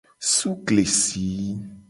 Sukesi.